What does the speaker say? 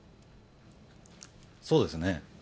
そうですね。